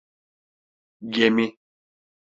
Gemi!